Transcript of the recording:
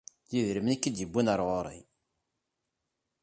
D idrimen i k-id-yewwin ar ɣur-i.